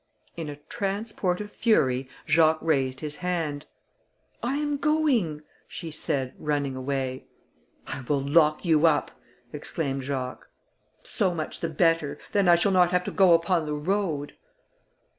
In a transport of fury Jacques raised his hand. "I am going," she said, running away. "I will lock you up," exclaimed Jacques. "So much the better; then I shall not have to go upon the road."